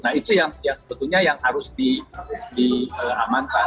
nah itu yang sebetulnya yang harus diamankan